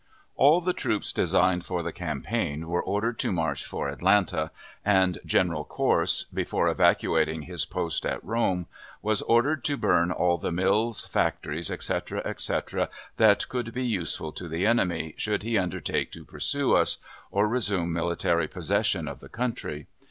All the troops designed for the campaign were ordered to march for Atlanta, and General Corse, before evacuating his post at Rome, was ordered to burn all the mills, factories, etc., etc., that could be useful to the enemy, should he undertake to pursue us, or resume military possession of the country.